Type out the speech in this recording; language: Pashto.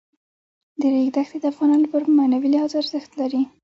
د ریګ دښتې د افغانانو لپاره په معنوي لحاظ ارزښت لري.